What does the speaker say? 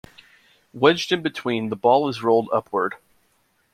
Wedged in between, the ball is rolled upward.